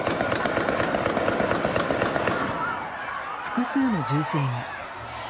複数の銃声が。